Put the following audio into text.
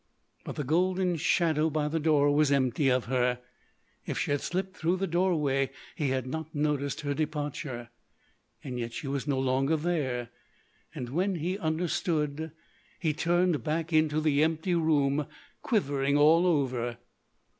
But the golden shadow by the door was empty of her. If she had slipped through the doorway he had not noticed her departure. Yet she was no longer there. And, when he understood, he turned back into the empty room, quivering all over.